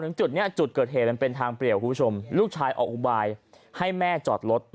ถึงจุดนี้หตุเป็นเป็นทางเปรียบคุณผู้ชมลูกชายออกบายให้แม่จอดรถระหว่าง